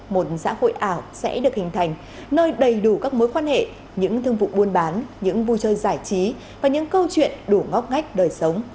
một xã hội ảo sẽ được hình thành nơi đầy đủ các mối quan hệ những thương vụ buôn bán những vui chơi giải trí và những câu chuyện đủ ngóc ngách đời sống